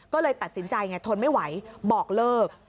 ก็เลยตัดสินใจไงทนไม่ไหวบอกเลิก